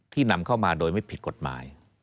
นำเข้ามาโดยไม่ผิดกฎหมาย